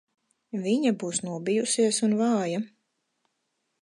Viņa būs nobijusies un vāja.